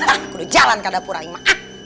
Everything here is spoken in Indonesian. aku udah jalan ke dapur aima